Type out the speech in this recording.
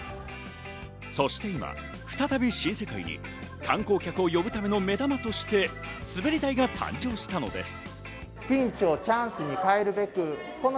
そして今、再び新世界に観光客を呼ぶための目玉として滑り台が誕生したのです。